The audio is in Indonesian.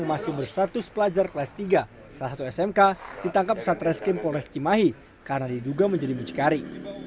yang masih berstatus pelajar kelas tiga salah satu smk ditangkap satres krim polres cimahi karena diduga menjadi bujikari